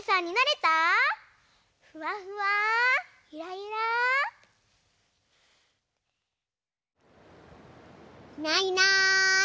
いないいない。